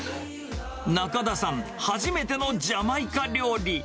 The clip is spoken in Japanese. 中田さん、初めてのジャマイカ料理。